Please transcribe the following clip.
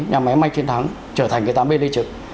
nhà máy mai thiên thắng trở thành cái tám b lê trực